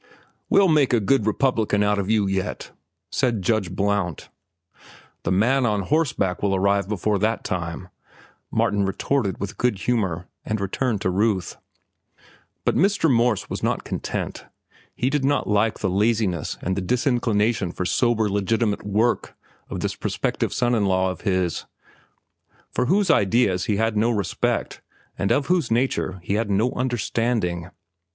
"We'll make a good Republican out of you yet," said Judge Blount. "The man on horseback will arrive before that time," Martin retorted with good humor, and returned to Ruth. But Mr. Morse was not content. He did not like the laziness and the disinclination for sober, legitimate work of this prospective son in law of his, for whose ideas he had no respect and of whose nature he had no understanding.